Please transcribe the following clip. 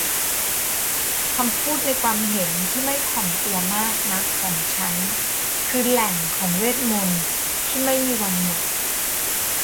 คำพูดในความเห็นที่ไม่ถ่อมตัวมากนักของฉันคือแหล่งของเวทมนตร์ที้ไม่มีวันหมด